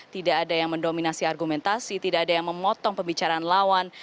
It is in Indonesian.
tidak ada yang mendominasi argumentasi tidak ada yang memotong pembicaraan lawan